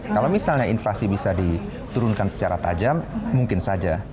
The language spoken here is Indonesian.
kalau misalnya inflasi bisa diturunkan secara tajam mungkin saja